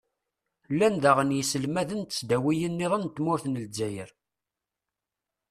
llan daɣen yiselmaden n tesdawin-nniḍen n tmurt n lezzayer.